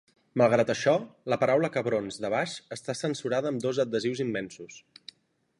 Malgrat això, la paraula "cabrons" de baix està censurada amb dos adhesius immensos.